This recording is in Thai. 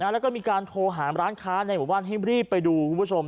แล้วก็มีการโทรหาร้านค้าในหมู่บ้านให้รีบไปดูคุณผู้ชม